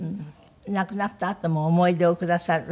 亡くなったあとも思い出をくださる？